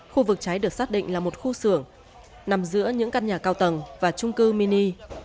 khu vực cháy được xác định là một khu xưởng nằm giữa những căn nhà cao tầng và trung cư mini